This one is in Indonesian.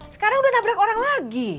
sekarang udah nabrak orang lagi